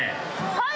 はい。